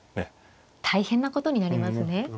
大変なことになりますね。